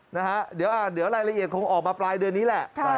นะฮะเดี๋ยวรายละเอียดคงออกมาปลายเดือนนี้แหละ